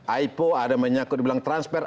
aipo ada menyakut di bilang transfer